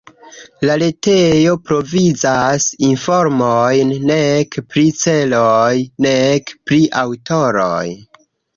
La retejo provizas informojn nek pri celoj, nek pri aŭtoroj.